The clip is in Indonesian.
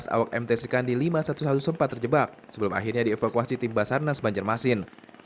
tiga belas awak mt srikandi lima ratus sebelas sempat terjebak sebelum akhirnya dievakuasi tim basarnas banjarmasin